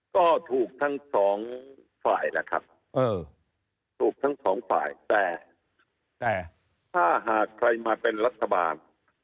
ก็ถูกทั้งสองฝ่ายแล้วครับถูกทั้งสองฝ่ายแต่ถ้าหากใครมาเป็นรัฐบาล